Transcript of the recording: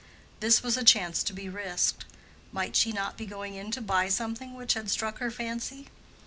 This was a chance to be risked: might she not be going in to buy something which had struck her fancy?